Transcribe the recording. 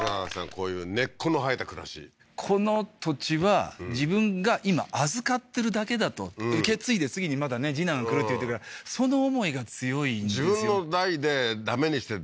こういう根っこの生えた暮らしこの土地は自分が今預かってるだけだと受け継いで次にまたね次男来るって言ってるからその思いが強いんですよ